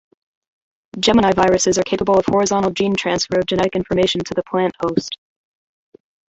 Geminiviruses are capable of horizontal gene transfer of genetic information to the plant host.